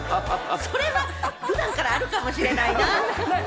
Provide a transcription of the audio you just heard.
それは普段からあるかもしれないな。